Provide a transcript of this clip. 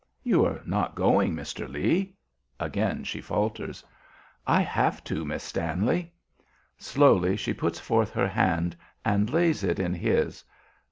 "You are not going, Mr. Lee?" again she falters. "I have to, Miss Stanley." Slowly she puts forth her hand and lays it in his.